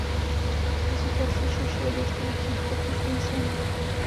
Je součástí širší oblasti vlhkých tropů Queenslandu.